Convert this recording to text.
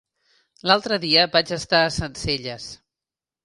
L'altre dia vaig estar a Sencelles.